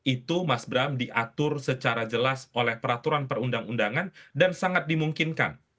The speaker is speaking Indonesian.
itu mas bram diatur secara jelas oleh peraturan perundang undangan dan sangat dimungkinkan